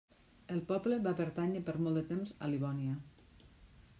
El poble va pertànyer per molt de temps a Livònia.